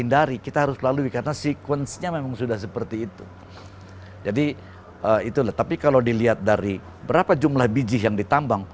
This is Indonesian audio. itu tidak bisa kita hindari kita harus lalui karena sekuensinya memang sudah seperti itu jadi itulah tapi kalau dilihat dari berapa jumlah bijih yang ditambang